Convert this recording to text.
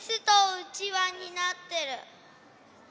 うちわになってる。